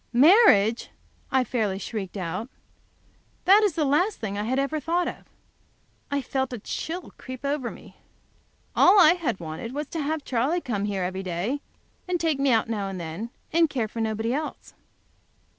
"Marriage!" I fairly shrieked out. That is the last thing I have ever thought of. I felt a chill creep over me. All I had wanted was to have Charley come here every day, take me out now and then, and care for nobody else.